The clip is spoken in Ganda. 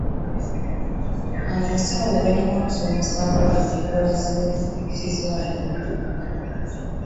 Abasawo balina okusomesa abawala enkola z'ekizaalaggumba.